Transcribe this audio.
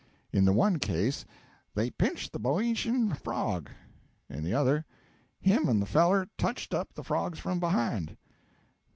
In the one case 'they pinched the Boeotian frog'; in the other, 'him and the feller touched up the frogs from behind.'